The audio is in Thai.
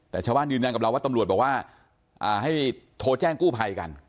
แต่ชาวบ้านยืนยันกับเราว่าตำรวจบอกว่าให้โทรแจ้งกู้ภัยกัน